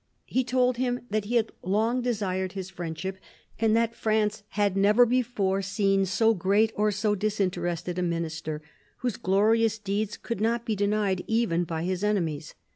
He told him that he had long desired his friendship ; that France had never before seen so great or so disinterested a Minister, whose glorious deeds could not be denied, even by his enemies.